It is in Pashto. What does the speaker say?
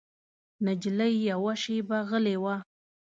نجلۍ يوه شېبه غلې وه.